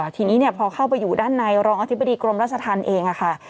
ทีนี้พอเข้าไปอยู่ด้านในรองอธิบดีกรมราชธรรมเองค่ะ